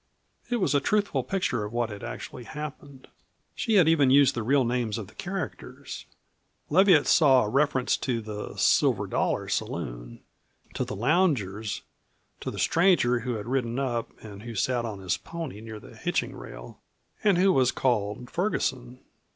It was a truthful picture of what had actually happened. She had even used the real names of the characters. Leviatt saw a reference to the "Silver Dollar" saloon, to the loungers, to the stranger who had ridden up and who sat on his pony near the hitching rail, and who was called Ferguson.